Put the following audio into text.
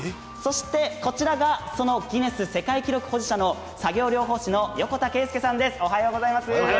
こちらがそのギネス世界記録保持者の作業療法士の横田圭祐さんです。